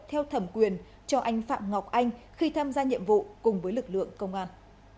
theo thẩm quyền cho anh phạm ngọc anh khi tham gia nhiệm vụ cùng với lực lượng công an